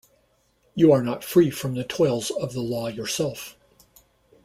You are not free from the toils of the law yourself!